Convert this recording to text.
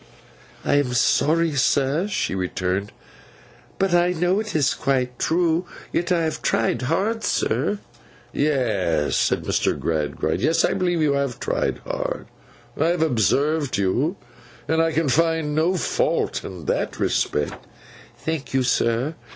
'I am sorry, sir,' she returned; 'but I know it is quite true. Yet I have tried hard, sir.' 'Yes,' said Mr. Gradgrind, 'yes, I believe you have tried hard; I have observed you, and I can find no fault in that respect.' 'Thank you, sir.